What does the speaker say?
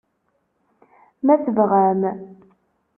Ma tebɣam?